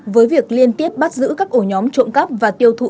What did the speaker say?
với việc liên tiếp bắt giữ các ổ nhóm trộm cắp và tiêu thụ